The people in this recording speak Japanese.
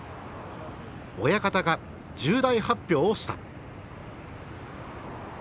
親方が重大発表をした。